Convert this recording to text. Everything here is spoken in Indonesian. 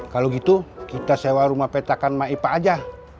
kalau gitu kita sewa rumah petakan maipa aja